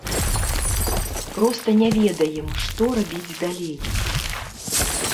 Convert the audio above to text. Проста не ведаем, што рабіць далей.